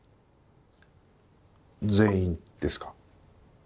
全員ですか？